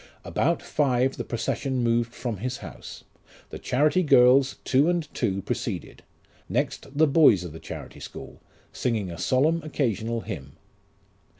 About five the procession moved from his house ; the charity girls, two and two, preceded ; next the boys of the charity school, singing a solemn occasional hymn.